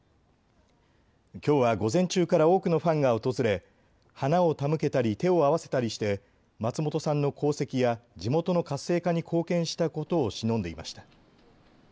きょうは午前中から多くのファンが訪れ花を手向けたり手を合わせたりして松本さんの功績や地元の活性化に貢献したことをしのんでいました。